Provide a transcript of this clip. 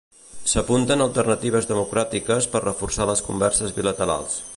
S'apunten alternatives democràtiques per reforçar les converses bilaterals.